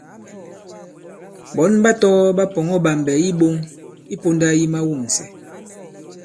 Ɓɔ̌n ɓa tɔgɔ̄ ɓa pɔ̀ŋɔ̄ ɓàmbɛ̀ i iɓoŋ i pōnda yi mawûmsɛ̀.